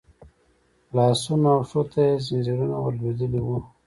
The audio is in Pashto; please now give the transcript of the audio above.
لاسونو او پښو ته يې ځنځيرونه ور لوېدلي وو.